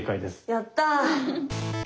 やったぁ！